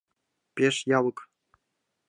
Пеш явык.